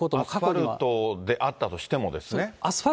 アスファルトであったとしてもですね。